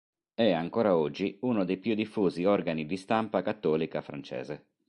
È ancora oggi uno dei più diffusi organi di stampa cattolica francese.